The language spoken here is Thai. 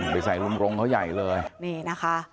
ไปใส่รงเขาใหญ่เลย